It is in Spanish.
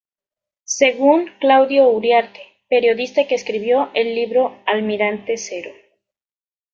Según Claudio Uriarte –periodista que escribió el libro "Almirante Cero.